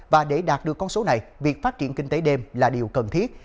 và để đạt được con số này việc phát triển kinh tế đêm là điều cần thiết